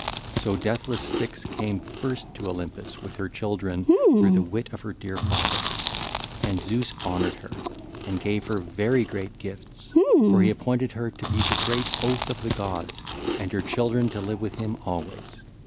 So deathless Styx came first to Olympus with her children through the wit of her dear father. And Zeus honoured her, and gave her very great gifts, for her he appointed to be the great oath of the gods, and her children to live with him always.